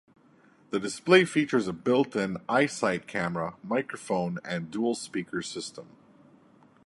The display features a built-in iSight camera, microphone and dual speaker system.